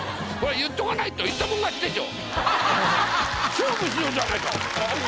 勝負しようじゃないか。